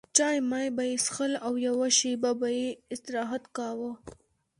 چای مای به یې څښل او یوه شېبه به یې استراحت کاوه.